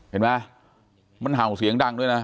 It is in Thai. เห็นไหมมันเห่าเสียงดังด้วยนะ